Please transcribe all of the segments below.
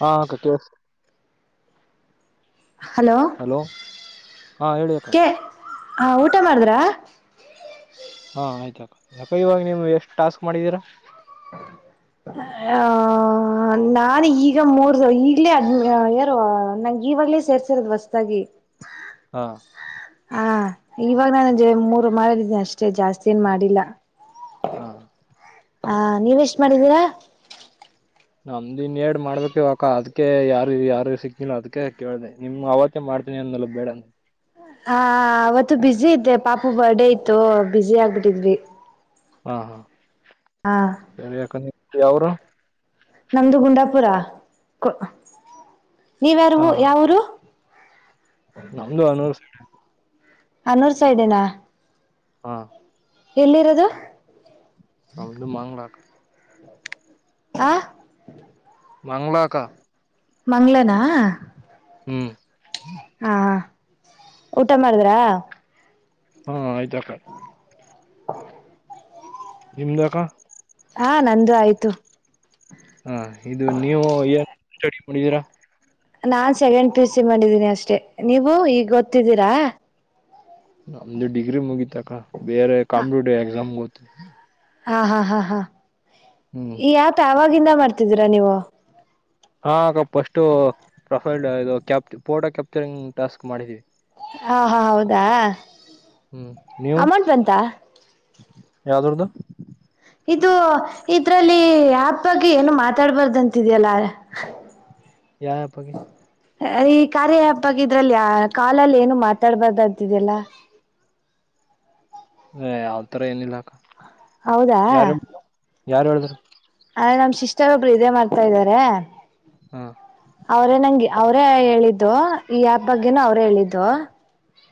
ಹಾ ಅಕ್ಕಾ ಕೆಳಸ್ತ ಹಲೋ ಹಾ ಹೇಳಿ ಅಕ್ಕ ಕೇ ಹಾ ಊಟಾ ಮಾಡದ್ರಾ ಹಾ ಆಯ್ತಕ್ಕಾ ಅಕ್ಕಾ ಇವಾಗ ನೀವು ಎಷ್ಟ್ ಟಾಸ್ಕ್ ಮಾಡಿದಿರಾ ಹಾ ನನ್ ಈಗ ಮೂರು ಸರ್ ಈಗ್ಲೇ ಅಂದ್ನಾ ಯಾರು ನಂಗ್ ಈವಾಗ್ಲೇ ಸೇರಿಸಿರಾದ್ ವಸಂಧಗಿ ಹಾ ಹಾ ಈವಾಗ್ ನಂಗೆ ಮೂರು ಮಾಡಿದೀನಿ ಅಷ್ಟೇ ಜಾಸ್ತಿ ಏನ್ ಮಾಡಿಲ್ಲ ಹಾ ಆ ನೀವ್ ಎಷ್ಟ್ ಮಾಡಿದಿರಾ ನಮ್ದ್ ಇನ್ನೆರಡ್ ಮಾಡ್ಬೇಕ್ ಅಕ್ಕ ಅದ್ಕೆ ಯಾರು ಯಾರ್ ಸಿಗ್ತಿಲ್ಲ ಅದುಕ್ಕೆ ಕೇಳ್ಧೆ ನಿಮ್ ಅವತ್ತೇ ಮಾಡ್ತೀನಿ ಮಾಡಾಮು ಅವತ್ತು ಬ್ಯುಸಿ ಅದೇ ಪಾಪು ಬರ್ತ್ಡೇ ಹಿತ್ ಬ್ಯುಸಿ ಆಗ್ಬಿಟ್ಟಿದ್ದೀವಿ ಹಾ ಹಾ ಯಾವೂರು [inaudible] ನಂಧು ಗುಂಡಪುರ ನೀವ್ ಯಾವ್ ಊರು ನಮ್ಧು ಅನ್ನೂರ್ ಸೈಡ್ ಹೀ ನಾ ಆಹ್ ಯೆಲ್ಲಿರೋದು [unintelligible] ಆಹ್ [unintelligible] ಮಂಗ್ಲಾನಾ ಆಹ್ ಆಹ್ ಉತಾ ಮದಾಧ್ರಾ ಹು ಆಯ್ತು ಅಕ್ಕಾ ನಿಮಧಾಕ ಆಹ್ ನಂದ್ ಆಯ್ತು ಆಹ್ ನೀನು [unintelligible] ನಾನ್ ಸೆಕೆಂಡ್ ಪಿ ಯು ಮಾಡಿಧಿನಿ ಅಷ್ಟೇ ನೀವ್ ಹೋದ್ತೀರಾ ನಮ್ದು ಡಿಗ್ರಿ ಮುಗಿತಕ್ಕ ಬೆರೆ ಕಂಪ್ಯೂಟರ್ ಪರೀಕ್ಷೆ ಆಹ್ ಆಹ್ ಆಹ್ ಆಹ್ ಹ್ಮ್ ಯಾಕ್ ಯೆಲ್ಲಿಂದ ಮಾಡ್ತಿದಿರಾ ನೀವು ಅಯ್ಯೋ ಅಕ್ಕಾ ಮೊದಲ ಕೆಲಸ ಮಡಿಧಿನಿ ಆಹ್ ಆಹ್ ಹೌದಾ ಹ್ಮ್ ನೀವು ಅಮೌಂಟ್ ಬಂತಾ ಯವಧೃದು ಇಧು ಇದ್ರಲ್ಲಿ ಆಪ್ ಬಗ್ಗೆ ಯೇನು ಮಥಡ್ಬಾರ್ದು ಅಂತ ಇದೆ ಅಲ್ವಾ. ಯಾವ ಆ್ಯಪ್ ಬಗ್ಗೆ ಅಯ್ [unintelligible] ಬಗ್ಗೆ ಕಾಲ್ ಅಲ್ಲಿ ಯೇನು ಮತಾಡ್ಬಾರ್ದು ಅಂತ ಇದ್ದೆ ಅಲ್ವಾ. ಹೇ ಆಹ್ ತಾರಾ ಯೇನ್ ಇಲ್ಲಾ ಅಕ್ಕಾ. ಹೌದಾ ಯಾರ ಹೇಳ್ದೋರು? ಅದೇ ನಮ್ ಸಿಸ್ಟರ್ ಒಬ್ರು ಇದೆ ಮಾಡ್ತಾಯಿದ್ದಾರೆ. ಹಾ ಅವ್ರೇ ನಂಗೆ ಅವ್ರೇ ಹೇಳಿದ್ದು, ಈ ಆ್ಯಪ್ ಬಗ್ಗೆನು ಅವ್ರೇ ಹೇಳಿದ್ದು.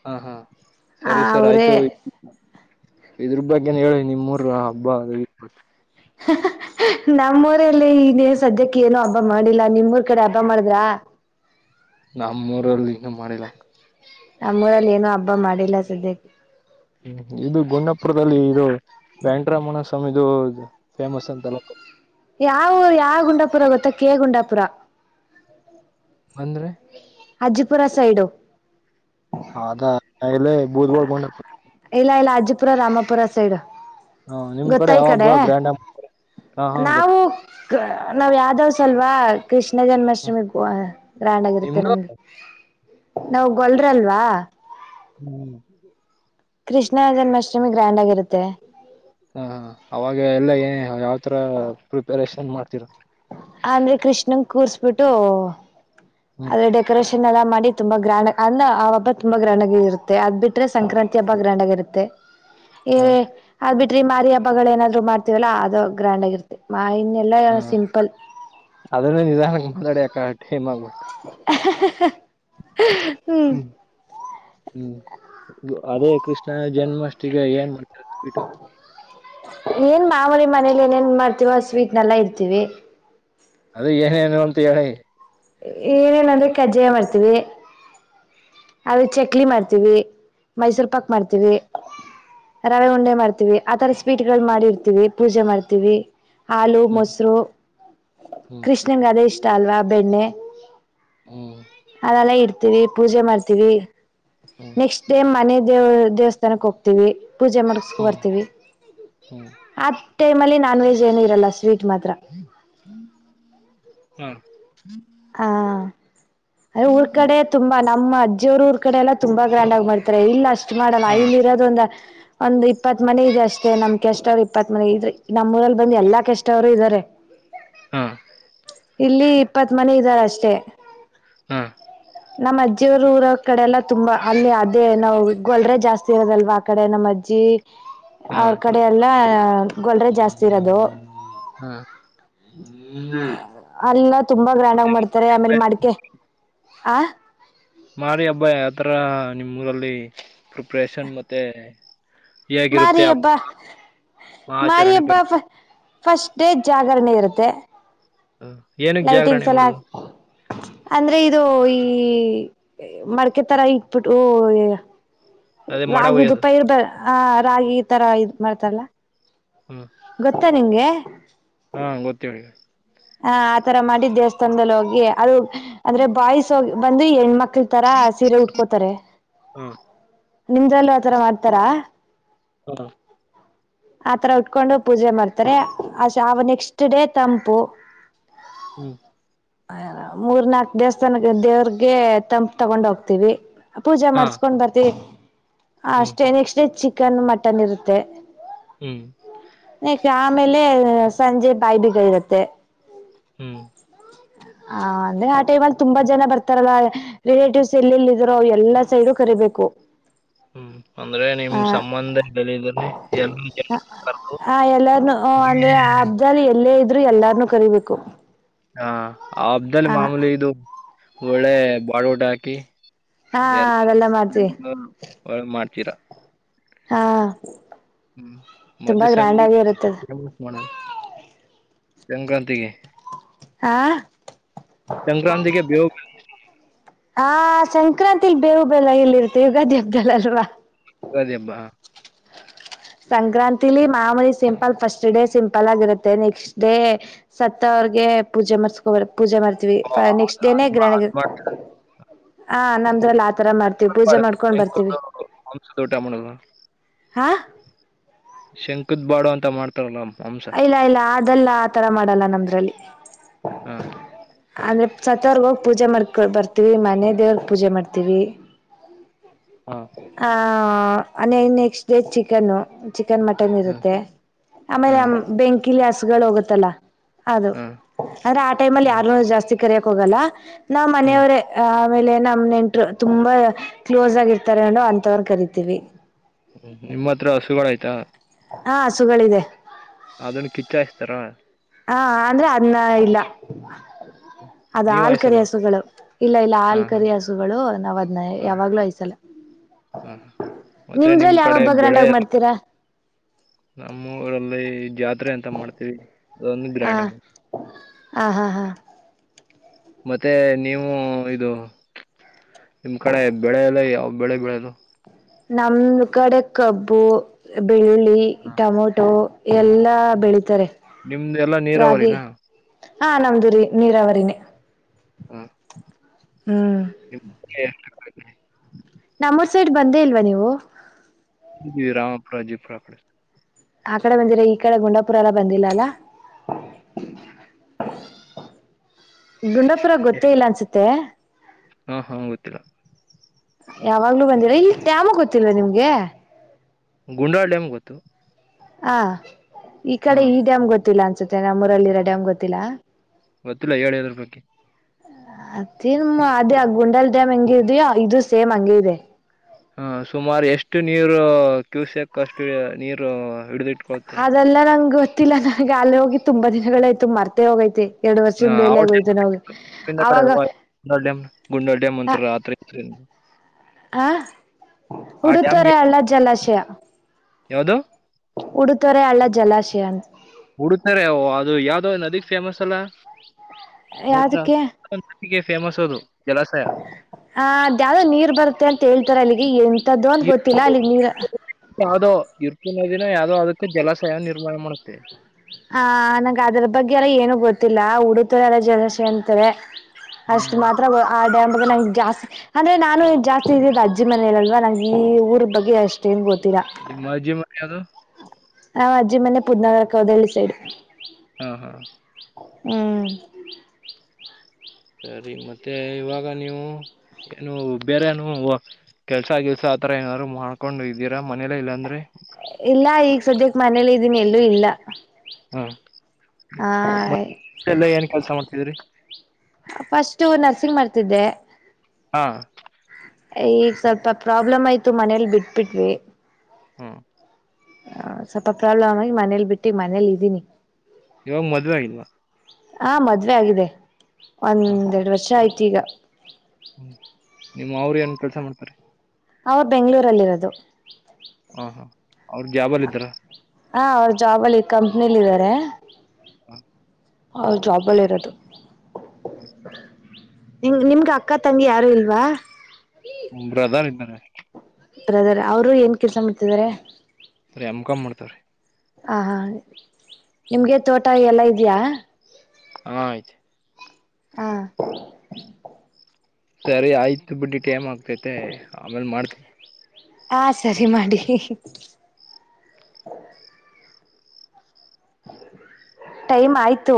ಹಾ ಹಾ ಆ ಸರಿ ಸರ್ ಅವರೇ ಆಯ್ತು. ಇದ್ರ ಬಗ್ಗೆನು ಹೇಳ ನಿಮ್ ಊರ್ ಹಬ್ಬ ಬಗ್ಗೆ. ನಮ್ಮೂರಲ್ಲಿ ನೀ ಸದ್ಯಕ್ಕೆ ಏನ ಹಬ್ಬ ಮಾಡಿಲ್ಲ, ನಿಮೂರ್ ಕಡೆ ಹಬ್ಬ ಮಾಡುದ್ರ? ನಮ್ಮೂರಲ್ಲಿ ಇನ್ನು ಮಾಡಿಲ್ಲಕ್ಕ. ನಮ್ಮೂರಲ್ಲಿ ಏನು ಹಬ್ಬ ಮಾಡಿಲ್ಲ ಸದ್ದ್ಯಕ್ಕೆ. ಹ್ಮ್ ಇದು ಗುಂಡಪುರದಲ್ಲಿ ಇದು ಬ್ಯಾಂಡ್ರಮನ ಸ್ವಾಮಿದು ಫೇಮಸ್ ಅಂತಾರಲ್ಲ. ಯಾವ ಯಾವ ಗುಂಡಾಪುರ ಗೊತ್ತಾ ಕೆ ಗುಂಡಾಪುರ ಬಂದ್ರೆ ಅಜ್ಜಿಪುರ ಸೈಡುು ಅದ ನಡಿಲೇ ಊರಿಗ್ ಹೋಗ್ಬರಣ ಪುರ ರಾಮಪುರ ಸೈಡು ಹಾ ನಿಮ್ ಗೊತ್ತಾ ಕಡೆ ಈ ಯಾವ ಹಬ್ಬ ಗ್ರಾಂಡಾಗ್ ಮಾಡ್ತಾರೆ ಹ ಹಾ ನಾವು ಗೊತ್ತು ನಾವ್ ಯಧವಸ್ ಅಲ್ವಾ ಕೃಷ್ ಕೃಷ್ಣ ಜನ್ಮಾಷ್ಟಮಿ ಗ ಗ್ರ್ಯಾಂಡ್ ಆಗಿರುತ್ತೆ ನಿಮ್ದು ನಮ್ಗೆ ನಾವ್ ಗೋಲ್ರಾಲ್ವ. ಹ್ಮ್ ಕೃಷ್ಣ ಜನ್ಮಾಷ್ಟಮಿ. ಗ್ರ್ಯಾಂಡ್ ಆಗಿರುತ್ತೆ. ಹಾ ಹ ಅವಾಗ ಎಲ್ಲ ಏನ ಯಾವ್ ಪ್ರ ಪ್ರಿಪರೇಷನ್ ಮಾಡ್ತ್ ತಿರ ಅಂದ್ರೆ ಕೃಷ್ಣಂಗ ಕೂರ್ಸ್ಬಿಟ್ಟು ಹ್ಮ್ ಅದೇ ಡೆಕೋರೇಷನ್ ಎಲ್ಲ ಮಾಡಿ ತುಂಬಾ ಗ್ರಾಂಡ ಅಲ್ಲ ಆ ಹಬ್ಬ ತುಂಬಾ ಗ್ರಾಂಡ ಆಗ ಇರುತ್ತೆ ಅದ್ ಬಿಟ್ರೆ ಸಂಕ್ರಾಂತಿ ಹಬ್ಬ ಗ್ರಾಂಡ ಆಗ ಇರುತ್ತೆ ಏ ಹ ಅದ್ ಬಿಟ್ರಿ ಈ ಮಾರಿ ಹಬ್ಬಗಲ್ ಏನಾದ್ರು ಮಾಡ್ ವಲ್ಲ ಅದು ಗ್ರ್ಯಾಂಡ್ ಆಗಿರ್ತ್ತೆ ಆ ಇನ್ ಎಲ್ಲ ಸಿಂ ಅದುನೇ ನಿಧಾನುಕ್ ಮತ್ತಡೇ ಾ ಹೇಮಾಗುವಟ್ಟ ಹ್ಹಾ ಹ್ಮ್ ಹ್ಮ್ ಅದೇ ಕೃಷ್ಣ ನ ಜನ್ಮಾಷ್ಟಿಗೆ ಏನ್ ಮಾಡ್ತಾರೆ ಬಿಟ್ಟು ಏನ್ ಮಾಮಲಿ ಮನೇಲಿ ಏನೇನ್ ಮಾಡ್ತೀವ ಸ್ವೀಟ್ನೆಲ್ಲಾ ಇರ್ತಿವಿ ಅದ ಏನೇನು ಅಂತ ಹೇಳಿ ಏನೆಂದರೆ ಕಚಾಯ ಮಾಡ್ತೀವಿ ಅದೇ ಚಕಲ್ಲಿ ಮಾಡ್ತೀವಿ, ಮೈಸೂರು ಪಾಕ್ ಮಾಡ್ತೀವಿ ರವೆ ಉಂಡೆ ಮಾಡ್ತೀವಿ ಆತರ ಸ್ವೀಟ್ ಗಳು ಮಾಡಿರ್ತೀವಿ ಪೂಜೆ ಮಾಡ್ತೀನಿ ಹಾಲು ಹ್ಮ್ ಮೊಸರು ಹ್ಮ್ ಕೃಷ್ಣ ಅದೆ ಇಷ್ಟ ಹಲ್ವಾ ಬೆಣ್ಣೆ ಹ್ಮ್ ಅಲ್ಲಲ್ಲ ಇಡ್ತೀವಿ ಪೂಜೆ ಮಾಡ್ತೀವಿ ತಿವಿ ಹ್ಮ್ ನೆಕ್ಸ್ಟ್ ಟೈಮ್ ಮನೆ ದೇವ ದೇವಸ್ಥಾನಕ್ ಹೋಗ್ತೀವಿ ಪೂಜೆ ಮಾಡಿಸಕೊ ಬರ್ತೀವಿ ಹ್ಮ್ ಆ ಟೈಮಲ್ಲಿ ನಾನ್ ವೆಜ್ ಏನು ಇರಲ್ಲ ಸ್ವೀಟ್ [inaudible] ಮಾತ್ರ ಹ್ಮ್ ಹ್ಮ್ ಹಾ ಅ ಊರ್ ಕಡೆ ತುಂಬಾ ನಮ್ಮ ಅಜ್ಜಿಯ ಅವ್ರ ಊರ್ ಕಡೆ ಎಲ್ಲ ತುಂಬಾ ಗ್ರಂಡ್ ಆಗ್ ಮಾಡ್ತಾರೆ ಇಲ್ಲಷ್ಟ ಷ್ಟ ಮಾಡಲ್ಲ ಹಾ ಇಲ್ಲಿ ಇರೋದ ಒಂದ ಒಂದ್ ಇಪ್ಪತ್ ಮನೆ ಇದೆ ಅಷ್ಟೇ ನಮ್ ಕೆಷ್ಟವ್ರು ಇಪ್ಪತ್ ಮನೆ ಇದ್ರ ನಮ್ಮ್ ಊರಲ್ಲಿ ಬಂದ್ ಎಲ್ಲಾ ಕೆಷ್ಟವ್ರು ಇದ್ದಾರೆ ಹಾ ಇಲ್ಲಿ ಇಪ್ಪತ್ ಮನೆ ಇದ್ದಾರ ಅಷ್ಟೇ ಹಾ ನಮ್ಮ್ ಅಜ್ಜಿಯವ್ರ ಊರ ಕಡೆ ಎಲ್ಲ ತುಂಬಾ ಅಲ್ಲಿ ಅದೇ ನಾವು ಗೊಲ್ರೆೆ ಜಾಸ್ತಿ ಇರೋದಲ್ವಾ ಆ ಕಡೆ ನಮ್ಮ್ ಅಜ್ಜಿ ಹಾ ಅವ್ರ ಕಡೆ ಅಲ್ಲ ಗೊಲ್ರೆೆ ಜಾಸ್ತಿ ಇರೋದು ಹಾಂ ಅಲ್ಲ ತುಂಬಾ ಗ್ರ್ಯಾಂಡ್ ಆಗಿ ಮಾಡ್ತಾರೆ ಆಮೇಲೆ ಮಡಿಕೆ ಹಾ ಮಾರಿಡ ಹಬ್ಬ ಆತರ ನಿಮ್ಮ್ ಊರಲ್ಲಿ ಪ್ರಿಪ್ರೇಷನ್ ಮತ್ತೆ ಹೇಗಿರುತ್ತೆ ಮಾರಿಯಬ್ಬಾ ಹಬ್ಬ ಆಚರಣೆ ಮಾರಿಯಬ್ಬಾ ಬಗ್ಗೆ ಫಸ್ಟ್ ಡೇ ಜಾಗರಣೆ ಇರುತ್ತೆ. ಹ ಏನಕ್ಕೆ ಜಾಗರಣೆ ಲೈಟಿಂಗ್ಸ್ ಎಲ್ಲ ಮಾಡುದು ಅಂದ್ರೆ ಇದು ಈ ಮಡ್ಕೆ ತರ ಇಟ್ಬಿಟ್ಟು ಅದೇ ಮಡ ರಾಗಿದು ಒಯ್ಯೋದು ಪೈರ್ ಬೆಲ್ ಹ ರಾಗಿ ಈ ತರ ಇದ್ ಮಾಡ್ತಾರಲ್ಲ ಹ್ಮ ನಿಂಗೇ ಹಾ ಗೊತ್ ಹೇಳಿ ಹಾ ಆತರ ಮಾಡಿ ದೇವಸ್ಥಾನದಲ್ಲಿ ಹೋಗಿ ಅದು ಅಂದ್ರೆ ಬಾಯಸೋಗ್ ಬಂದು ಹೆಣ್ಮಕ್ ತಿಂತರ ಸೀರೆ ಉಟ್ಕೋತಾರೆ ಹಾ ನಿಮ್ದ್ರಲ್ಲು ಆತರ ಮಾಡ್ತಾರಾ ಹ ಆತರ ಉಟ್ಕೊಂಡು ಪೂಜೆ ಮಾಡ್ತಾರೆ ಅ ಶಾವ ನೆಕ್ಸ್ಟ್ ಡೇ ತಂಪು ಹ್ಮ್ ಹ ಮೂರ್ ನಾಕ್ ದೇವಸ್ಥಾನಗ್ ದೇವ್ರಗೆ ತಂಪ್ಪ್ ತಗೊಂಡ್ ಹೋಗ್ತೀವಿ ಪೂಜಾ ಹಾ ಮಾಡಸ್ಕೊಂಡ್ ಬರ್ತೀ ಹ ಹ್ಮ್ ಅಷ್ಟೇ ನೆಕ್ಸ್ಟ್ ಡೇ ಚಿಕ್ ಚಿಕನ್ ಮಟನ್ ಇರುತ್ತೆ ಹ್ಮ್ ಚಾ ಆಮೇಲೇ ಸಂಜೆ ಬಾಯಿಬೀಗ ಇರುತ್ತೆ ಹ್ಮ್ ಹ ಅಂದ್ರೆ ಆ ಟೈಮ್ ಅಲ್ಲಿ ತುಂಬಾ ಜನ ಬರ್ತಾರಲ್ಲ ರಿಲೇಟಿವ್ಸ್ ಎಲ್ಲೆಲ್ಲಿದರುೋ ಎಲ್ಲಾ ಸೈಡು ಕರಿಬೇಕು ಹ್ಮ್ ಅಂದ್ರೆ ನಿಮ್ ಆ ಸಂಬಂಧ ಎ ಎ ಹ್ಮ ಹ ಎಲ್ಲಾರ್ನು ಅಂದ್ರೆ ಆ [unintelligible] ಹಬ್ದಲ್ಲಿ ಎಲ್ಲೇ ಇದ್ರು ಎಲ್ಲಾರ್ನುೂ ಕರಿಬೇಕು ಹಾ ಆ ಹಬ್ದದಲ್ಲಿ ಹ ಮಾಮೂಲಿ ಇದು ಒಳ್ಳೆ ಬಳ ಊಟ ಹಾಕಿ ಹಾ ಅದೆಲ್ಲ ಮಾಡ್ತೀವಿ ಎಲ್ಲ ಒ ಮಾಡ್ತೀರಾ [unintelligible] ಹಾ ಹ್ಮ್ ತುಂಬಾ ಮತ್ತ ಗ್ರ್ಯಾಂಡ್ ಸಂಗೀ ಆಗಿ ಇರುತ್ತದ [unintelligible] ಸಂಕ್ರಾಂತಗೆ ಹಾ ಸಂಕ್ರಾಂತಿಗೆ ಬೇವು [unintelligible] ಹಾ ಸಂಕ್ರಾಂತಿಲಿ ಬೇವು ಬೆಲ್ಲ ಎಲ್ಲಿ ಇರುತ್ತೆ ಯುಗಾದಿ ಹಬ್್ದಲ್ಲ ಅಲ್ವಾ ಉಗಾದಿ ಹಬ್ಬ ಸಂಕ್ರಾಂತಿಲಿ ಮಾಮೂಲಿ ಸಿಂಪಲ್ ಫಸ್ಟ್ ಡೇ ಸಿಂಪಲ್ ಆಗಿರುತ್ತೆ ನೆಕ್ಸ್ಟ್ ಡೇ ಸತ್ತ ಅವ್ರಗೆ ಪೂಜೆ ಮಾಡರ್ಸ್ಕೊಬೇಕು ಪೂಜೆ ಮಾಡ್ತೀವಿ ಓ ಫ್ಹ್ ಅದ್ ನೆಕ್ಸ್ಟ್ ಅದ್ ಡೇನೇ ಮಾ- ಗ್ರಾಣಿಗೇ ಅದ್ ಮಾಡ್ತಾರ ಹಾ ನಮ್ಮದ್ರಲ್ ಹ ತರ ಮಾಡ್ತೀವಿ ಪೂಜಾ ಬಾಡು ಮಾಡ್ಕೊಂಡ್ ಶಂಕದ ಬರ್ತೀವಿ ಮಾಂಸದ ಊಟ ಮಾಡೋದು ಹ ಶಂಕದ್ ಬಾಡು ಅಂತ ಮಾಡ್ತಾರಲ್ಲ ಮಾಂಸ ಇಲ್ಲ ಇಲ್ಲ ಅದಲ್ಲ ಆತರ ಮಾಡಲ್ಲ ನಮ್ದ್ರಲ್ಲಿ ಹಾ ಆಗುತ್ತ ಸತ್ತವರು ಹೋಗಿ ಪೂಜೆ ಮಾಡ್ಕೊ ಬರ್ತೀವಿ ಮನೆ ದೇವ್ರಗ್ ಪೂಜೆ ಮಾಡ್ತೀವಿ ಹಾ ಹಾ ಹ ನೆಕ್ಸ್ಟಡೇ ಚಿಕನ್ನು ಚಿಕನ್ ಮಟನ್ ಹ್ಮ್ ಇರುತ್ತೆ ಆಮೇಲೆ ಹ್ಮ್ ಬೆಂಕಿಲಿ ಅಷ್ಟು ಗಳು ಹೋಗತ್ತಲ್ಲಾ ಅದು ಹ್ಮ್ ಆ ಟೈಮ್ ಅಲ್ಲಿ ಹ್ಮ್ ಯಾರನು ಜಾಸ್ತಿ ಕರಕ್ ಹೋಗಲ್ಲ ನಾ ಹ್ಮ್ ಮನೆಯವರೇ ಆ ಆಮೇಲೆ ನಮ್ ನೆಂಟರು ತುಂಬಾ ಕ್ಲೋಸ್ ಆಗಿ ಇರ್ ತರನು ಅಂತವ್ರ ಕರಿತೀವಿ ಹ್ಮ ನಿಮ್ಮ ಹತ್ರ ಹಸುಗಳ ಆಯ್ತಾ ಹಾ ಹಸುಗಳಿದೆ ಅದನ್ ಕಿಚ್ಚಾಯಸ್ತಾರ ಹಾ ಅಂದ್ರೆ ಅನ್ನ ಇಲ್ಲ ಅದ ನೀವ್ ಹಲ್ಕಾರಿ ಆಯ್ಸಲ್ವಾ ಹಸುಗಳು ಇಲ್ಲ ಇಲ್ಲ ಹಾ ಹಾ ಹಲ್ಕಾರಿ ಹಸುಗಳು ನಾವ ಅದ್ನ ಹಾ ಯಾವಾಗ್ಲೂ ಹಯಸಲ್ಲ ಹಾ ಮತ್ತೆ ನಿಮ್ ನಿಮ್ದ್ರಲ್ಲಿ ಯಾವ ಕಡೆ ಹಬ್ಬ ಗ್ರ್ಯಾಂಡ್ ಬೆಳೆ ಆಗಿ ಮಾಡ್ತೀರ ನಮ್ಮ ಊರಲ್ಲಿ ಜಾತ್ರೆ ಅಂತ ಮಾಡ್ತೀವಿ ಅದೊಂದು ಗ್ರ್ಯಾಂಡ್ಮಾ ಆ ಹಾ ಹಾ ಮತ್ತೆ ನೀವು ಇದು ನಿಮ್ ಕಡೆ ಬೆಳೆಲ್ಲ ಯಾವ ಬೆಳೆ ಬೆಳೆದು ನಮ್ಮ್ ಕಡೆ ಕಬ್ಬು ಬೆಳ್ಳುಳ್ಳಿ ಟೊಮ್ಯಾಟೋ ಎಲ್ಲಾ ಬೆಳಿತಾರೆ ನಿಮ್ದ ಎಲ್ಲಾ ರಾಗಿ ನೀರಾವರಿನಾ ಹಾ ನಮ್ದು ರಿ ನೀರಾವರಿನೆ ಹ ಹ್ಮ್ ನಿಮ್ ಕಡೆ ನಮ್ಮೂರ್ ಸೈಡ್ ಬಂದೇ ಇಲ್ವಾ ನೀವು ಬಿ ರಾಮಪುರಾ ಜಿಪ್ರಪುಡೆ ಆ ಕಡೆ ಬಂದಿರಿ ಈ ಕಡೆ ಗುಂಡಾಪುರ ಎಲ್ಲ ಬಂದಿಲ್ಲ ಅಲ್ಲ. ಗುಂಡಪುರ ಗೊತ್ತೇ ಇಲ್ಲ ಅನ್ಸುತ್ತೆ. ಹಾ ಹಾ ಗೊತ್ತಿಲ್ಲ. ಯಾವಾಗ್ಲೂ ಬಂದಿರಾ ಈ ಡ್ಯಾಮ್ ಗೊತ್ತಿಲ್ಲವಾ ನಿಮ್ಗೆ? ಗುಂಡಾಳ್ ಡ್ಯಾಮ್ ಗೊತ್ತು. ಹ ಈ ಹಾ ಕಡೆ ಈ ಡ್ಯಾಮ್ ಗೊ ಗೊತ್ತಿಲ್ಲ ಅನ್ಸುತ್ತೆ ನಮ್ಮೂರಲ್ಲಿರೋ ಡ್ಯಾಮ್ ಗೊತ್ತಿಲ್ಲ. ಗೊತ್ತಿಲ್ಲ ಹೇಳಿ ಅದರಬಗ್ಗೆ. ಅದೇನ್ ಅದೇ ಗುಂಡಾಲ್ ಡ್ಯಾಮ್ ಹೆಂಗ ಇದಯೊ ಇದು ಸೇಮ್ ಹಂಗ ಇದೆ. ಹ ಸುಮಾರು ಎಷ್ಟು ನೀರು ಕ್ಯೂಸೆಕ್ ಅಷ್ಟು ನೀರು ಹಿಡಿದಿಟ್ ಅದೆಲ್ಲ ನಂಗ ಗೊತ್ತಿಲ್ಲ ನಂಗ ಅಲ್ಲೋಗಿ ತುಂಬಾ ದಿನಗಳಾಯ್ತು ಮರ್ತೆ ಹೋಗೈತೆ. ಎರಡು ವರ್ಷದ್ ಹಾ ಮೇಲೆ ಆಗೋಯ್ತು ನಾವ್ ಇಂದ ಕಡೆ ಅವಾಗ ಅಲ್ವಾ ಗುಂಡೋಳ ಡ್ಯಾಮ್ ಗುಂಡೋಳ ಡ್ಯಾಮ್ ಹ ಅಂತಾರ ಆ ತರ ಹ ಉಡುುತೊರೆ ಅಲ್ಲಾ ಜಲಾಶಯ. ಹ ಯಾವದು? ಉಡುತರೆ ಅಳ್ಳ ಜಲಾಶಯಂತ. ಉಡುತೋರೆ ಓ ಅದು ಯಾವ್ದೋ ನದಿಗ್ ಫೇಮಸ್ ಅಲ್ಲ [inaudible] ಹೀಗೆ ಫೇಮಸ್ ಅದು. ಜಲಾಶಯ ಹ ಅದ್ ಯಾವ್ದೋ ನೀರ್ ಬರುತ್ತೆ ಅಂತ ಹೇಳ್ತಾರೆ ಅಲ್ಲಿಗೆ. ಈ ಎ ಅದ್ ಒಂದ್ ಗೊತ್ತಿಲ್ಲ ಇರ್ಪು- ಅಲ್ಲಿಗ್ ನೀರ ದಿನ ಯಾವುದೋ ಅದಕ್ಕೆ ಜಲಶಯ ನಿರ್ಮಾಣ ಮಾಡುತ್ತೆ. ಹ ನಂಗ್ ಅದ್ರ ಬಗ್ಗೆ ಎಲ್ಲ ಏನು ಗೊತ್ತಿಲ್ಲ ಉಡುತರೆಲ್ಲ ಜಲಸೆ ಅಂತಾರೆ. ಅಷ್ಟು ಹ್ಮ್. ಮಾತ್ರ ಆ ಡ್ಯಾಮ್ ಅದು ನಂಗ್ ಜಾಸ್ ಅಂದ್ರೆ ನಾನು ಜಾಸ್ತಿ ಇದಿದ್ ಅಜ್ಜಿ ಮನೆಲಲ್ವ ನಂಗ್ ಈ ಊರ್ ಬಗ್ಗೆ ಅಷ್ಟೇನ್ ಗೊತ್ ನಿಮ್ಮಜ್ಜಿ ಮನ್ ಯಾವ್ದು? ನಮ್ ಅಜ್ಜಿ ಮನೆ ಪುದ್ನನೋಹಳ್ಳಿ ಸೈಡ್. ಹಾ ಹಾ ಹ್ಮ್ ಸರಿ ಮತ್ತೆ ಇವಾಗ ನೀವು ಏನು ಬೇರೆ ಏನಾದ್ರು ಕೆಲ್ಸ ಗಿಲ್ಸ ಆತರಾ ಏನಾದ್ರು ಮಾಡ್ಕೊಂಡಿದೀರಾ ಮನೇಲೆ ಇಲ್ಲ ಅಂದ್ರೇ? ಇಲ್ಲ ಈಗ್ ಸದ್ಯಕ್ ಮನೇಲಿದೀನಿ ಎಲ್ಲು ಇಲ್ಲ. ಹೂ [inaudible] [unintelligible] ಆ ಕೆಲ್ಸ ಮಾಡ್ತಿದ್ರಿ ಫಸ್ಟ್ ಎನ್ ನರ್ಸಿಂಗ್ ಮಾಡ್ತಿದ್ದೆ ಹಾ ಈಗ ಸ್ವಲ್ಪ ಪ್ರಾಬ್ಲಮ್ ಆಯ್ತು ಮನೇಲಿ ಬಿಟಬಿಟ್ವಿ. ಹ್ಮ್ ಅ ಸ್ವಲ್ಪ ಪ್ರಾಬ್ಲಮ್ ಆಗಿ ಮನೆಲ್ ಬಿಟ್ಟಿ ಮನೇಲಿ. ಇವಾಗ್ ಮದ್ವೆ ಆಗಿಲ್ವ? ಆ ಮದ್ವೆ ಆಗಿದೆ ಒಂದ್ ಹಾ ಹಾ ಏರೆಡ್ ವರ್ಷ ಆಯ್ತ್ [inaudible] [unintelligible] ತಿಗ ನಿಮ್ಮೋರು ಏನ್ ಕೆಲಸ ಮಾಡ್ತಾರೆ ಅವ್ರು ಬೆಂಗ್ಳೂರ್ ಅಲ್ಲಿ ಇರೋದು ಹ ಹಾ ಅವ್ರೂ ಜಾಬ್ಅಲ್ಲಿ ಇದ್ರಆ ಹಾ ಅವ್ರು ಜಾಬ್ಅಲ್ಲಿ ಕಂಪ್ನೀಲಿದರೆ [unintelligible] ಅವ್ರು ಜಾಬ್ಅಲ್ಲಿ ಇರೋದು [unintelligible] ಇವಾಗ್ ನಿಂನ್ಗ ಅಕ್ಕಾ ತಂಗಿ ಯಾರೂ ಇಲ್ವಾ ಹುಂ ಬ್ರದರ್ ಇದರೆ ಬ್ರದರ್ ಅವ್ರು ಏನ್ ಕೆಲ್ಸ ಮಾಡ್ತಿದ್ದಾರೆ ಅವ್ರು ಎಂ ಕಾಮ್ ಮಾಡ್ತಾವ್ರೇ ಆ ಹಾ ಅಳೆ ನಿಮ್ಗೆ ತೋಟಯೆಲ್ಲಾ ಇದ್ಯಾ ಹಾ ಆಯ್ತು [unintelligible] ಸರಿ ಆಯ್ತು ಬಿಡಿ [inaudible] ತೆಥೇ ಆಮೇಲೆ ಮಾಡ್ತಿನ್ ಆ ಸರಿ ಹಿ ಮಾಡೀ ಟೈಮ್ ಆಯ್ತು